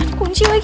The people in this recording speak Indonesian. kenapa kunci lagi